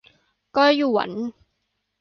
ก็หยวน